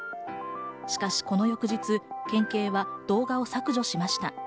しかしこの翌日、県警は動画を削除しました。